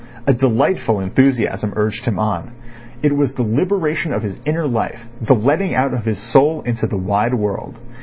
A delightful enthusiasm urged him on. It was the liberation of his inner life, the letting out of his soul into the wide world.